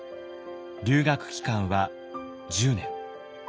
留学期間は１０年。